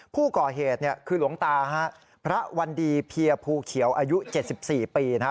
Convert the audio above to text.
ผู้ก่อเหตุเนี่ยคือหลวงตาฮะพระวันดีเพียภูเขียวอายุ๗๔ปีนะฮะ